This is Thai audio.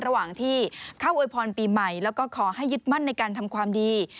ระหว่างที่เข้าอวยพรปีใหม่แล้วก็ขอให้ยึดมั่นในการทำความดี